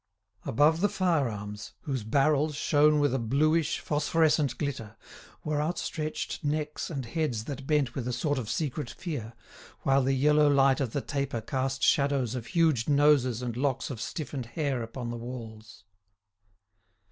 Above the fire arms, whose barrels shown with a bluish, phosphorescent glitter, were outstretched necks and heads that bent with a sort of secret fear, while the yellow light of the taper cast shadows of huge noses and locks of stiffened hair upon the walls.